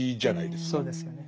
そうですよね。